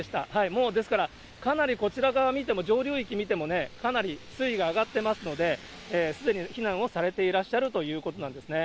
もうですから、かなりこちら側見ても、上流域見てもね、かなり水位が上がってますので、すでに避難をされていらっしゃるということですね。